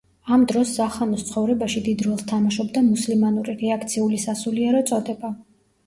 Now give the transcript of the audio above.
ამ დროს სახანოს ცხოვრებაში დიდ როლს თამაშობდა მუსლიმანური რეაქციული სასულიერო წოდება.